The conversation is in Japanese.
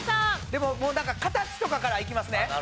でももうなんか形とかからいきますね。